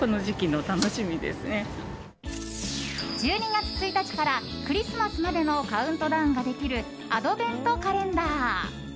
１２月１日からクリスマスまでのカウントダウンができるアドベントカレンダー。